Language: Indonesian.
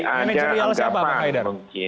manajerial siapa pak haidar